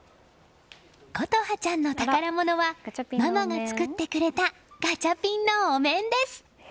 琴葉ちゃんの宝物はママが作ってくれたガチャピンのお面です。